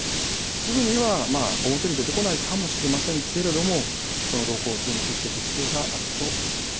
すぐには表に出てこないかもしれませんけれどもその動向、注目していく必要があると思います。